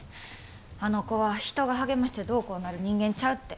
あの子は人が励ましてどうこうなる人間ちゃうって。